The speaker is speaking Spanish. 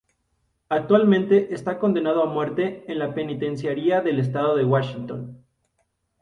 Actualmente está condenado a muerte en la penitenciaría del estado de Washington.